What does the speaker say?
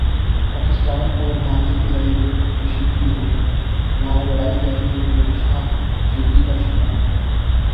پاکستان اور بھارتی فضائی حدود پر کشیدگی ہو وہاں لڑائی جاری ہوں یا رشتہ پیچیدگی کا شکار ہوں